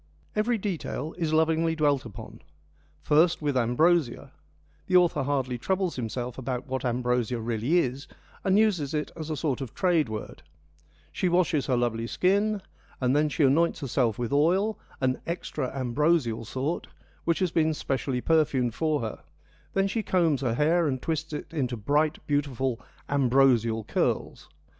Every detail is lovingly dwelt upon ; first with ' ambrosia ' (the author hardly troubles himself about what ambrosia really is, and uses it as a sort of trade word), she washes her lovely skin, and then she anoints herself with oil, an ' extra ambrosial ' sort, which has been specially perfumed for her : then she combs her hair and twists it into bright, beautiful, ' ambrosial ' curls.